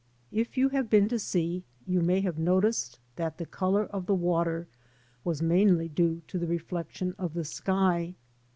IF you have been to sea you may have noticed that the colour of the water was mainly due to the reflection of the sky.